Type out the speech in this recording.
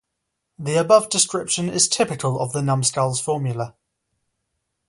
The above description is typical of the Numskulls' formula.